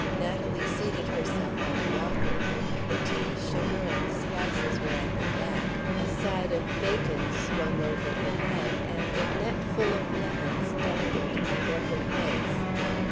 Natalie seated herself on a locker. The tea, sugar, and spices were at her back, a side of bacon swung over her head, and a net full of lemons dangled before her face.